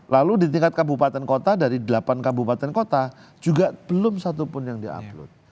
lalu di tingkat kabupaten kota dari delapan kabupaten kota juga belum satu pun yang di upload